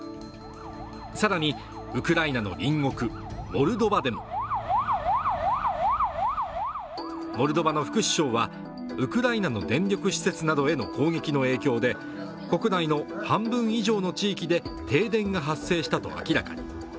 更に、ウクライナの隣国モルドバでもモルドバの副首相はウクライナの電力施設などへの攻撃の影響で国内の半分以上の地域で停電が発生したと明らかに。